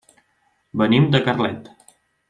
Venim de Carlet.